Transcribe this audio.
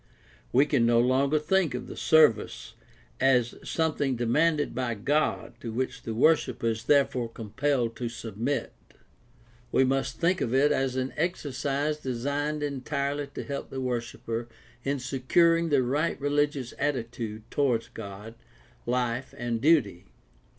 We can no longer think of the service as something demanded by God to which the worshiper is therefore compelled to sub mit. We must think of it as an exercise designed entirely to help the worshiper in securing the right religious attitude toward God, life, and duty.